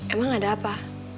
emang ada apa